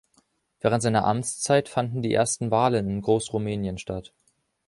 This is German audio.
Während seiner Amtszeit fanden die ersten Wahlen in Großrumänien statt.